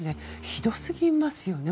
ひどすぎますよね。